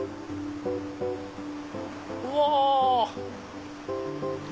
うわ！